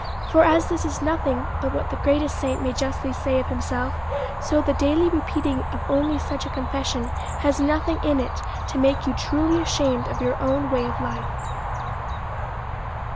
For as this is nothing but what the greatest saint may justly say of himself; so the daily repeating of only such a confession has nothing in it to make you truly ashamed of your own way of life.